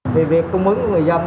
về việc cung ứng người dân